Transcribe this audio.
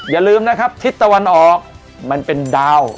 อย่าลืมนะครับทิศตะวันออกมันเป็นดาว